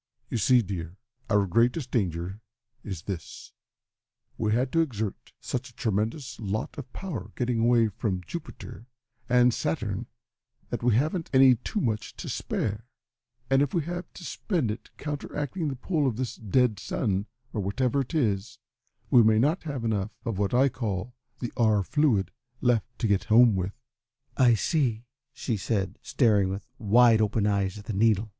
"You see, dear, our greatest danger is this: we had to exert such a tremendous lot of power getting away from Jupiter and Saturn, that we haven't any too much to spare, and if we have to spend it in counteracting the pull of this dead sun, or whatever it is, we may not have enough of what I call the R. fluid left to get home with." "I see," she said, staring with wide open eyes at the needle.